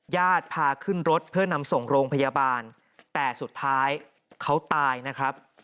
ญาติพาขึ้นรถเพื่อนำส่งโรงพยาบาลแต่สุดท้ายเขาตายนะครับ